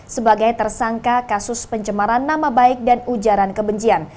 sebagai tersangka kasus pencemaran nama baik dan ujaran kebencian